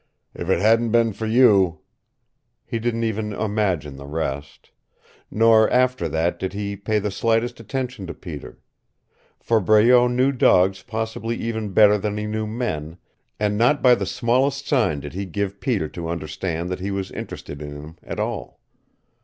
"If it hadn't been for you " He didn't even imagine the rest. Nor after that did he pay the slightest attention to Peter. For Breault knew dogs possibly even better than he knew men, and not by the smallest sign did he give Peter to understand that he was interested in him at all.